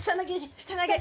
下投げで。